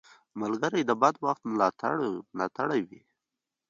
ملګری د بد وخت ملاتړی وي